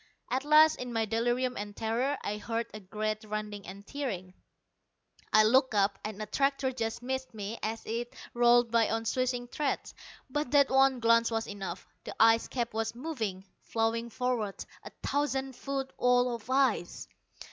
At last, in my delirium and terror, I heard a great rending and tearing. I looked up, and a tractor just missed me as it rolled by on swishing treads. But that one glance was enough. The ice cap was moving, flowing forward, a thousand foot wall of ice!